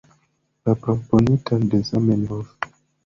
La proponitan de Zamenhof.